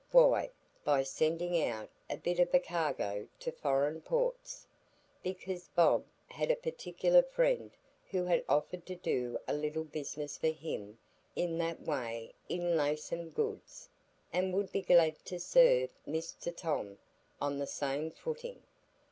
Why, by sending out a bit of a cargo to foreign ports; because Bob had a particular friend who had offered to do a little business for him in that way in Laceham goods, and would be glad to serve Mr Tom on the same footing.